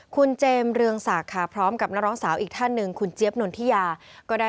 คุณเจมส์เรืองศักดิ์ค่ะพร้อมกับนักร้องสาวอีกท่านหนึ่งคุณเจี๊ยบนนทิยาก็ได้